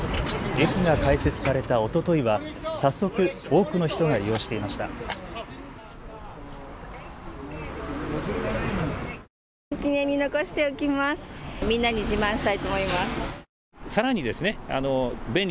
駅が開設されたおとといは早速、多くの人が利用していました。